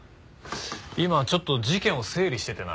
今ちょっと事件を整理しててな。